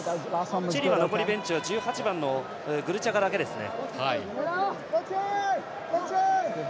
チリは残りベンチは１８番、グルチャガだけですね。